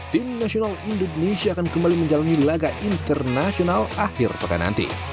tim nasional indonesia akan kembali menjalani laga internasional akhir pekan nanti